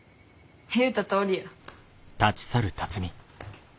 言うたとおりや。